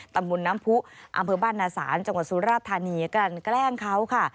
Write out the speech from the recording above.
ตำบลน้ำผู้อำเภอบ้านนาศาลจังหวัดสุราธานีกันแกล้งเขาค่ะ